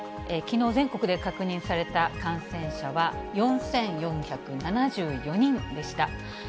きのう、全国で確認された感染者は４４７４人でした。